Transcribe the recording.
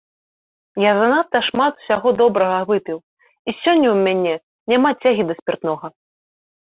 Я занадта шмат усяго добрага выпіў, і сёння ў мяне няма цягі да спіртнога.